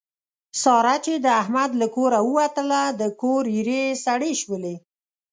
ساره چې د احمد له کوره ووتله د کور ایرې یې سړې شولې.